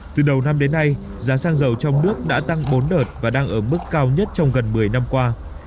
từ đầu năm đến nay giá xăng dầu trong nước đã tăng bốn đợt và đang ở mức cao nhất trong gần một mươi năm qua